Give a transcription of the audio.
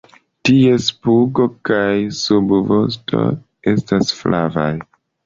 Ties pugo kaj subvosto estas flavaj.